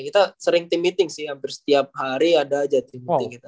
kita sering team meeting sih hampir setiap hari ada aja tim meeting kita